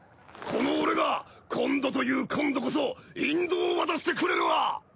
この俺が今度という今度こそ引導を渡してくれるわ！